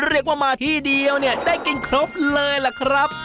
เรียกว่ามาที่เดียวเนี่ยได้กินครบเลยล่ะครับ